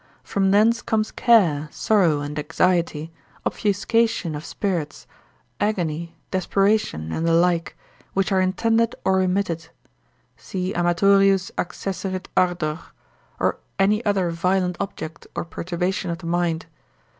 from thence comes care, sorrow, and anxiety, obfuscation of spirits, agony, desperation, and the like, which are intended or remitted; si amatorius accesserit ardor, or any other violent object or perturbation of mind.